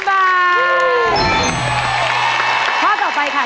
แพงกว่าแพงกว่า